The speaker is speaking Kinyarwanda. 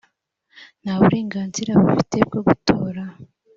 nta burenganzira bafite bwo gutora